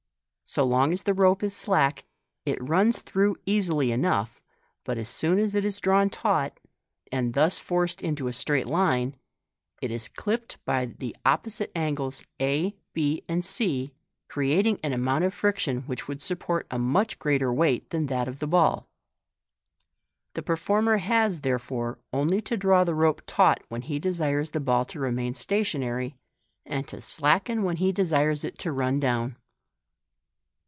So long as the rope is slack, it runs through easily enough, but as soon as it is drawn taut, and thus forct d into a straight line, it is clipped by the opposite angles a, b, and c, creating an amount of friction which would support a much greater weight than that of the ball. The performer has, therefore, only to draw the rope taut when he desires the bill to remain s'at onary, and to slacken when he desires it to run down.